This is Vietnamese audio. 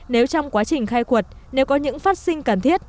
nếu trong quá trình khai quật nếu có những phát sinh cần thiết